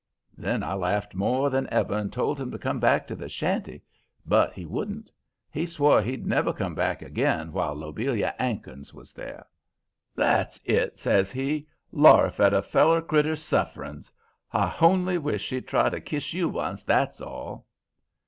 "Then I laughed more than ever and told him to come back to the shanty, but he wouldn't. He swore he'd never come back again while Lobelia 'Ankins was there. "'That's it,' says he, 'larf at a feller critter's sufferings. I honly wish she'd try to kiss you once, that's all!'